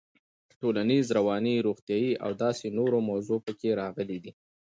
ټولنيز, رواني, روغتيايي او داسې نورو موضوعات پکې راغلي دي.